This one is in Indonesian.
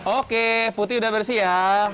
oke putih udah bersih ya